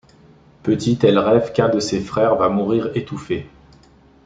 Petite, elle rêve qu’un de ses frères va mourir étouffé.